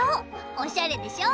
おしゃれでしょ。